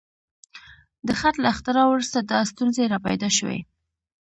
د خط له اختراع وروسته دا ستونزې راپیدا شوې.